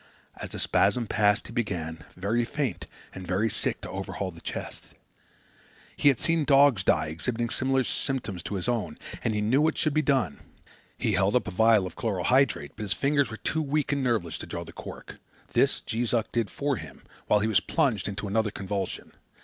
As the spasm passed he began, very faint and very sick, to overhaul the chest. He had seen dogs die exhibiting symptoms similar to his own, and he knew what should be done. He held up a vial of chloral hydrate, but his fingers were too weak and nerveless to draw the cork. This Jees Uck did for him, while he was plunged into another convulsion.